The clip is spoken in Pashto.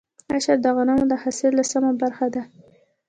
عشر د غنمو د حاصل لسمه برخه ده.